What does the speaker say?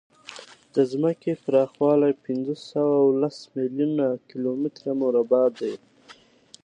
د ځمکې پراخوالی پینځهسوهلس میلیونه کیلومتره مربع دی.